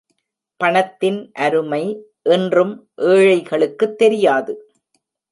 பணத்தின் அருமை இன்றும் ஏழை களுக்குத் தெரியாது.